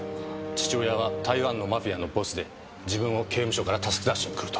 父親は台湾のマフィアのボスで自分を刑務所から助け出しに来ると。